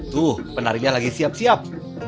tuh penarinya lagi siap siap